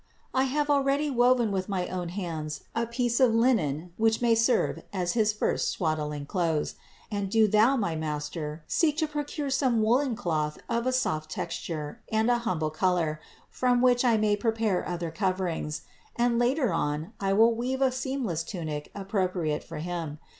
I have already woven with my own hands a piece of linen which may serve as his first swaddling clothes; and do thou, my master, seek to procure some woolen cloth of a 363 364 CITY OF GOD soft texture and an humble color from which I may pre pare other coverings; and later on I will weave a seam less tunic appropriate for Him.